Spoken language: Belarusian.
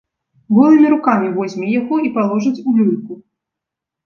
Голымі рукамі возьме яго і паложыць у люльку.